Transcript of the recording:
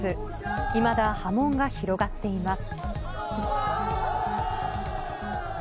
いまだ波紋が広がっています。